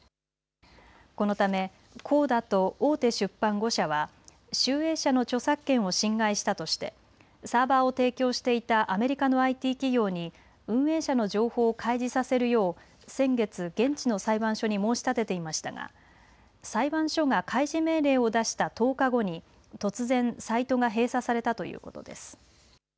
このためＣＯＤＡと大手出版５社は集英社の著作権を侵害したとしてサーバーを提供していたアメリカのＩＴ企業に運営者の情報を開示させるよう先月、現地の裁判所に申し立てていましたが裁判所が開示命令を出した１０日後に突然、サイトが閉鎖されたということです。